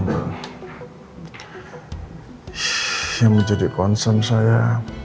yang menjadi concern saya